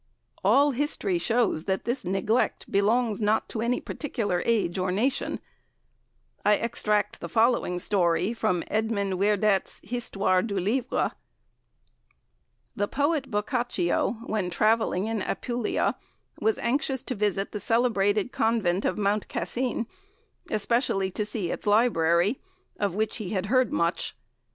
"All history shows that this neglect belongs not to any particular age or nation. I extract the following story from Edmond Werdet's Histoire du Livre." "Histoire du Livre en France," par E. Werdet. 8vo, Paris, 1851. "The Poet Boccaccio, when travelling in Apulia, was anxious to visit the celebrated Convent of Mount Cassin, especially to see its library, of which he had heard much.